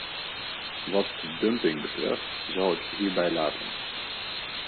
Wat de dumping betreft zal ik het hierbij laten.